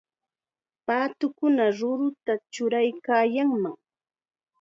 Paatukuna ruruta churaykaayannam.